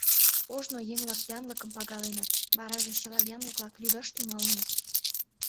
Ожно еҥ-влак янлыкым пагаленыт, вараже чыла янлык-влак лӱдаш тӱҥалыныт.